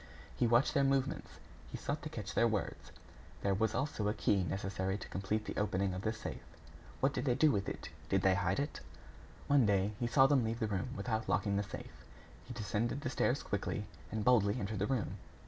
He watched their movements; he sought to catch their words. There was also a key necessary to complete the opening of the safe. What did they do with it? Did they hide it? One day, he saw them leave the room without locking the safe. He descended the stairs quickly, and boldly entered the room.